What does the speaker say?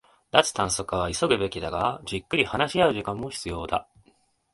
脱炭素化は急ぐべきだが、じっくり話し合う時間も必要だ